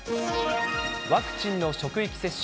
ワクチンの職域接種。